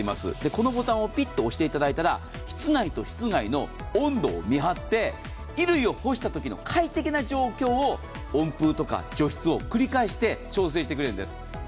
このボタンをピッと押していただいたら室内と室外の温度を見張って衣類を干したときの快適な状況を温風とか除湿を繰り返して調整してくれるんです。